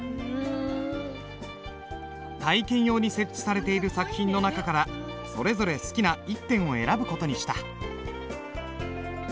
体験用に設置されている作品の中からそれぞれ好きな１点を選ぶ事にした。